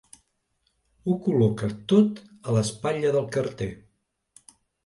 Ho col·loca tot a l'espatlla del carter.